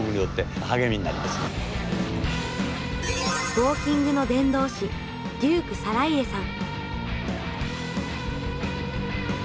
ウォーキングの伝道師デューク更家さん。